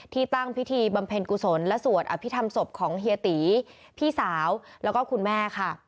ตั้งพิธีบำเพ็ญกุศลและสวดอภิษฐรรมศพของเฮียตีพี่สาวแล้วก็คุณแม่ค่ะ